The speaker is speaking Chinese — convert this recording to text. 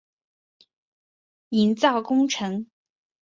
营造工程